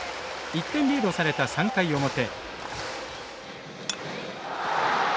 １点リードされた３回表。